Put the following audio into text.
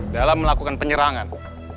dalam melakukan penyerangan